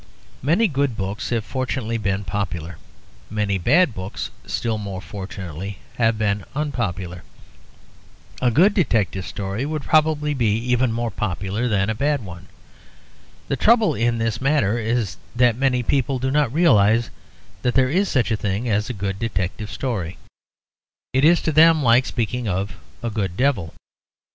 Many good books have fortunately been popular; many bad books, still more fortunately, have been unpopular. A good detective story would probably be even more popular than a bad one. The trouble in this matter is that many people do not realize that there is such a thing as a good detective story; it is to them like speaking of a good devil.